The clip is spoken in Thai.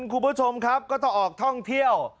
คุณผู้ชมครับก็ต้องออกท่องเที่ยว